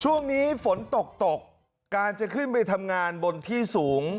ช่วงนี้ฝนตกตกการจะขึ้นไปทำงานบนที่สูง